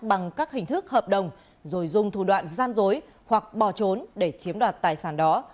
bằng các hình thức hợp đồng rồi dùng thủ đoạn gian dối hoặc bò trốn để chiếm đoạt tài sản đó